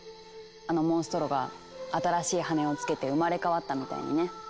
あのモンストロが新しい羽をつけて生まれ変わったみたいにね。